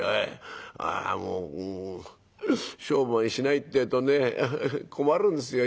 あもう商売しないってえとね困るんですよ。